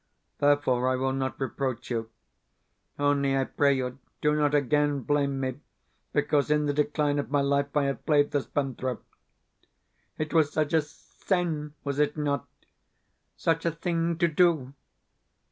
Therefore, I will not reproach you. Only I pray you, do not again blame me because in the decline of my life I have played the spendthrift. It was such a sin, was it not? such a thing to do?